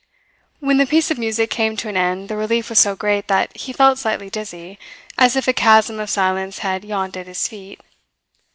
When the piece of music came to an end the relief was so great that he felt slightly dizzy, as if a chasm of silence had yawned at his feet.